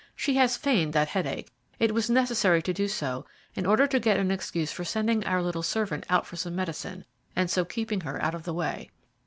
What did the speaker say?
She has feigned that headache; it was necessary to do so in order to get an excuse for sending our little servant out for some medicine, and so keeping her out of the way.